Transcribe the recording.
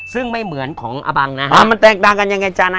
ซึ่งไม่เหมือนของอบังนะฮะมันแตกต่างกันยังไงจ๊ะนะ